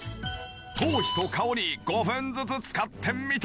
頭皮と顔に５分ずつ使ってみたら。